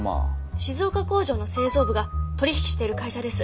静岡工場の製造部が取り引きしている会社です。